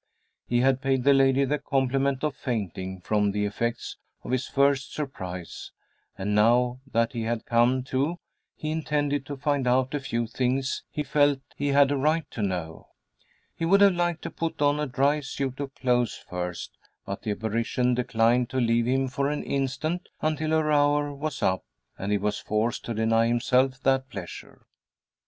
He had paid the lady the compliment of fainting from the effects of his first surprise, and now that he had come to he intended to find out a few things he felt he had a right to know. He would have liked to put on a dry suit of clothes first, but the apparition declined to leave him for an instant until her hour was up, and he was forced to deny himself that pleasure.